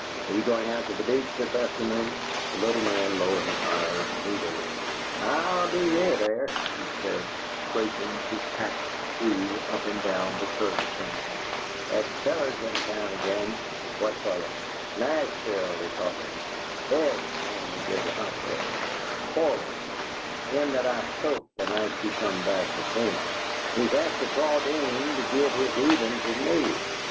Are you going out to the Beach this afternoon?" The little man lowered his eyes moodily. "I'll be near there," he said, scraping his patched shoe up and down the curbstone. "That feller's in town agin." "What fellow?" "'Nashville' they call him; Ed's the name he give the hospital: Cory him that I soaked the night you come back to Canaan. He's after Claudine to git his evens with me.